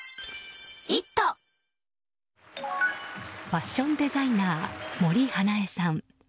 ファッションデザイナー森英恵さん。